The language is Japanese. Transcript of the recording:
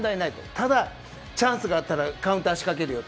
ただ、チャンスがあったらカウンター仕掛けるよと。